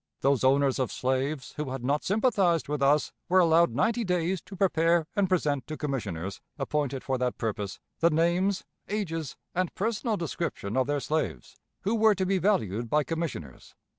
Those owners of slaves who had not sympathized with us were allowed ninety days to prepare and present to commissioners, appointed for that purpose, the names, ages, and personal description of their slaves, who were to be valued by commissioners.